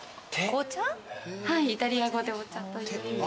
はいイタリア語で「お茶」という意味。